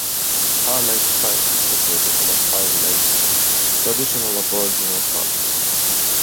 Tarneit Plains is situated in the Kulin nation traditional Aboriginal country.